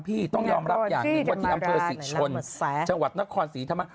อำเตอร์อสิชนจังหวัดนครสีทะมาก